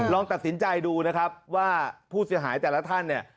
ลองตัดสินใจดูนะครับว่าผู้เสียหายแต่ละท่านเนี่ย